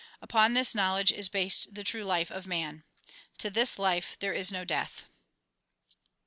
Upon this knowledge is based the true life of man. To this life there is no death."